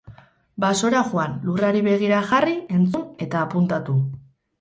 Basora joan, lurrari begira jarri, entzun eta apuntatu.